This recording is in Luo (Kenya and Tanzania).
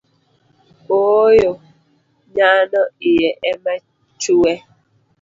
Ooyo nyano iye ema chue